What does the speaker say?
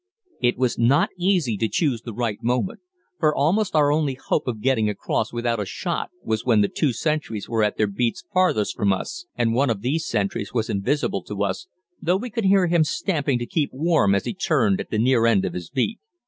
It was not easy to choose the right moment, for almost our only hope of getting across without a shot was when the two sentries were at their beats farthest from us, and one of these sentries was invisible to us, though we could hear him stamping to keep warm as he turned at the near end of his beat.